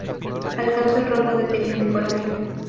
Alcanzó el rango de teniente coronel.